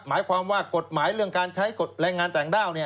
หมายความว่ากฎหมายเรื่องการใช้แรงงานต่างด้าว